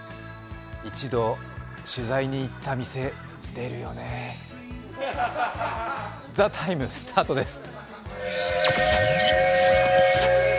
一度、取材に行った店出るよね「ＴＨＥＴＩＭＥ，」スタートです。